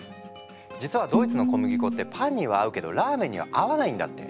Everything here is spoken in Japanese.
実はドイツの小麦粉ってパンには合うけどラーメンには合わないんだって。